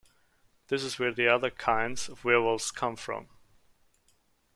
This is where the "other" kinds of werewolves come from.